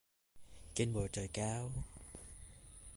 Trên bầu trời cao